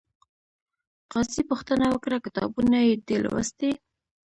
قاضي پوښتنه وکړه، کتابونه یې دې لوستي؟